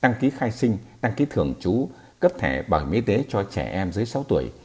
đăng ký khai sinh đăng ký thường trú cấp thẻ bảo hiểm y tế cho trẻ em dưới sáu tuổi